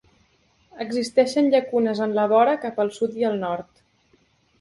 Existeixen llacunes en la vora cap al sud i el nord.